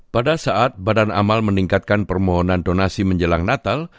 pada saat badan amal meningkatkan permohonan donasi menjelang natal